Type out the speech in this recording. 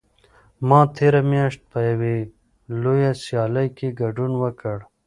ما تېره میاشت په یوې لویه سیالۍ کې ګډون وکړ.